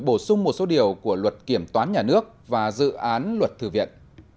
bổ sung một số điều của luật kiểm toán nhà nước và dự án luật thư viện